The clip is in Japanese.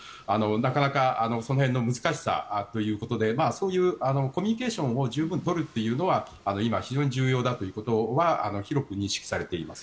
その辺の難しさということでそういうコミュニケーションを十分取るというのは今、非常に重要だということは広く認識されています。